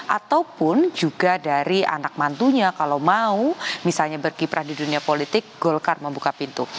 ataupun juga dari anak mantunya kalau mau misalnya berkiprah di dunia politik golkar membuka pintu